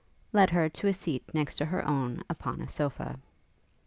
led her to a seat next to her own upon a sofa.